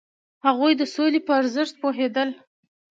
هغوی د سولې په ارزښت پوهیدل.